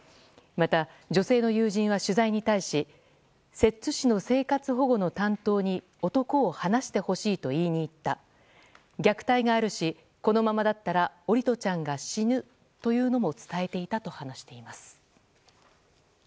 また、女性の友人は取材に対し摂津市の生活保護の担当に男を離してほしいと言いにいった虐待があるし、このままだったら桜利斗ちゃんが死ぬというのも伝えていたと話しています。